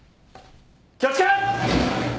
気を付け！